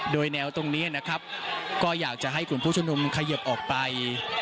โดยแนวตรงนี้นะครับก็อยากจะให้กลุ่มผู้ชมนุมเขยิบออกไป